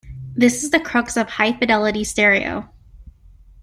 This is the crux of high-fidelity stereo.